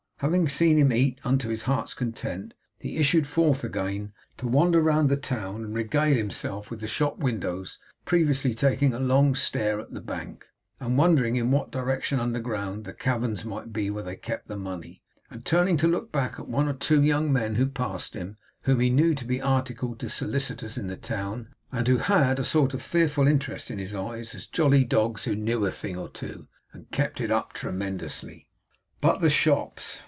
Having seen him eat unto his heart's content he issued forth again, to wander round the town and regale himself with the shop windows; previously taking a long stare at the bank, and wondering in what direction underground the caverns might be where they kept the money; and turning to look back at one or two young men who passed him, whom he knew to be articled to solicitors in the town; and who had a sort of fearful interest in his eyes, as jolly dogs who knew a thing or two, and kept it up tremendously. But the shops.